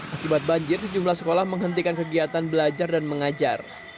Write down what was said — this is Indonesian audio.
akibat banjir sejumlah sekolah menghentikan kegiatan belajar dan mengajar